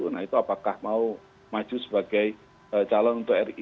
nah itu apakah mau maju sebagai calon untuk ri